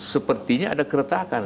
sepertinya ada keretakan